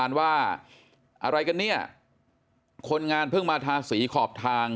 ว่าอะไรกันเนี่ยคนงานเพิ่งมาทาสีขอบทาง